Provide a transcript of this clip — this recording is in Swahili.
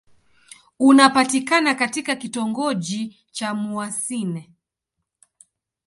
Unapatikana katika kitongoji cha Mouassine.